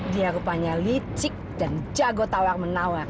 dia rupanya licik dan jago tawar menawar